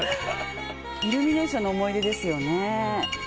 イルミネーションの思い出ですよね。